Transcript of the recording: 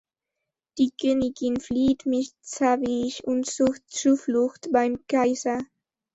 Die Königin flieht mit Zawisch und sucht Zuflucht beim Kaiser.